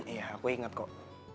iya aku inget kok